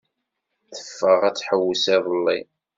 Teffeɣ ad tḥewwes iḍelli.